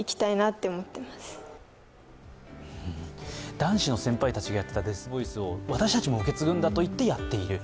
男子の先輩たちがやっていたデスボイスを私たちも受け継ぐんだといってやっている。